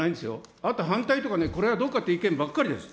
あと、反対とかね、これはどうかという意見ばっかりです。